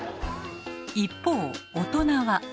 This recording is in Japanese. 一方大人は。